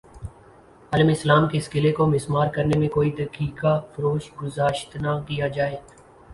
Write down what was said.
عالم اسلام کے اس قلعے کو مسمار کرنے میں کوئی دقیقہ فروگزاشت نہ کیا جائے